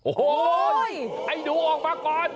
โอ้โหให้ดูออกมาก่อน